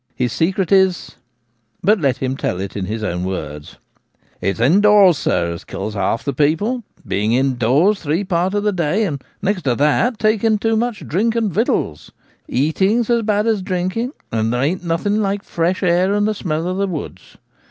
His secret is— but let him tell it in his own words :' It's indoors, sir, as kills half the people ; being indoors three parts of the day, and next to that taking too much drink and vittals. Eating's as bad as drink ing ; and there ain't nothing like fresh air and the smell of the woods.